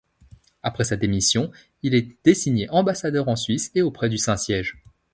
Après sa démission, il est désigné ambassadeur en Suisse et auprès du Saint-Siège.